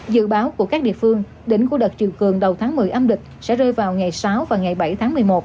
dự báo của các địa phương đỉnh của đợt triều cường đầu tháng một mươi âm lịch sẽ rơi vào ngày sáu và ngày bảy tháng một mươi một